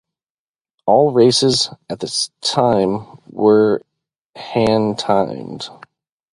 All races at the time where hand timed.